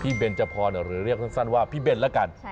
เบนจพรหรือเรียกสั้นว่าพี่เบนแล้วกัน